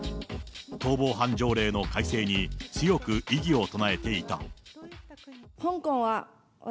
逃亡犯条例の改正に強く異議を唱えていた。